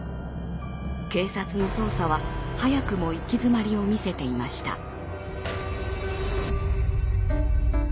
警察の捜査は早くも行き詰まりを見せていました。